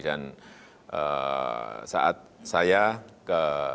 dan saat saya ke